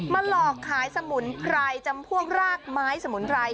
หลอกขายสมุนไพรจำพวกรากไม้สมุนไพร